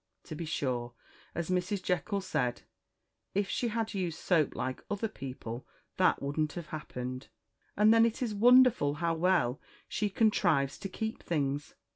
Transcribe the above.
To be sure, as Mrs. Jekyll said, if she had used soap like other people that wouldn't have happened; and then it is wonderful how well she contrives to keep things.